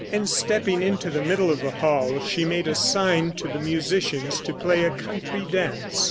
And stepping into the middle of the hall she made a sign to the musicians to play a country dance.